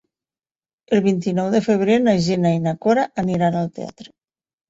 El vint-i-nou de febrer na Gina i na Cora aniran al teatre.